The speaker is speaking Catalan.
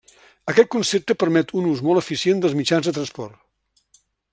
Aquest concepte permet un ús molt eficient dels mitjans de transport.